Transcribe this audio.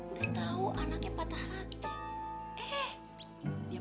udah tahu anaknya patah hati